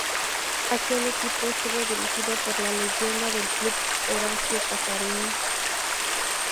Aquel equipo estuvo dirigido por la leyenda del club Horacio Casarín.